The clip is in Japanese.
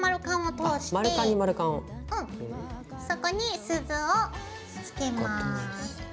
そこに鈴を付けます。